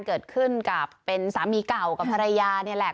เกิดขึ้นกับเป็นสามีเก่ากับภรรยานี่แหละ